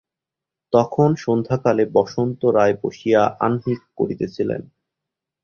তখন সন্ধ্যাকালে বসন্ত রায় বসিয়া আহ্নিক করিতেছিলেন।